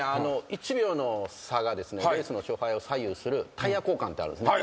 １秒の差がレースの勝敗を左右するタイヤ交換ってあるんですね。